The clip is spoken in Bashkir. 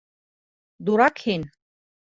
Дурак һин!